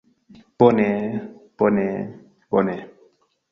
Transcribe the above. Bone... bone... bone...